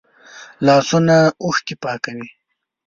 لاسونه اوښکې پاکوي